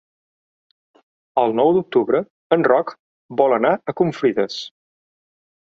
El nou d'octubre en Roc vol anar a Confrides.